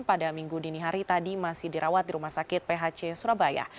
pada minggu dini hari tadi masih dirawat di rumah sakit phc surabaya